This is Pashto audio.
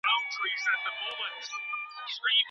ازاد انسان خرڅول لوی جرم ګڼل کيږي.